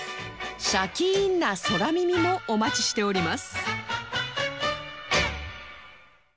シャキーンな空耳もお待ちしております